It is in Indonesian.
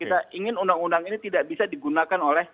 kita ingin undang undang ini tidak bisa digunakan oleh